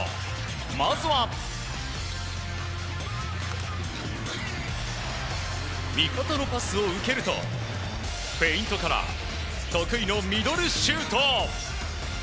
まずは味方のパスを受けるとフェイントから得意のミドルシュート。